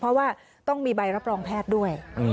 เพราะว่าต้องมีใบรับรองแพทย์ด้วย